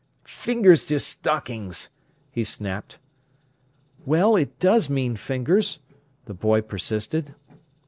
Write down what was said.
"Fingers to stockings!" he snapped. "Well, it does mean fingers," the boy persisted.